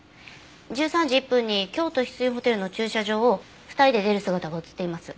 １３時１分に京都ヒスイホテルの駐車場を２人で出る姿が映っています。